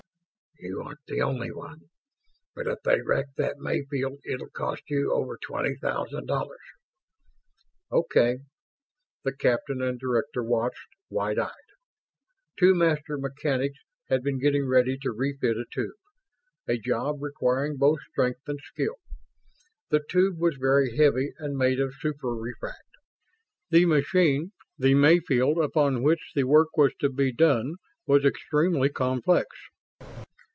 "You aren't the only one. But if they wreck that Mayfield it'll cost you over twenty thousand dollars." "Okay." The captain and director watched, wide eyed. Two master mechanics had been getting ready to re fit a tube a job requiring both strength and skill. The tube was very heavy and made of superefract. The machine the Mayfield upon which the work was to be done, was extremely complex.